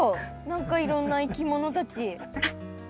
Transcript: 何かいろんないきものたち。